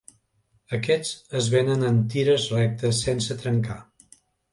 Aquests es venen en tires rectes sense trencar.